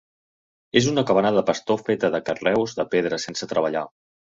És una cabana de pastor feta de carreus de pedra sense treballar.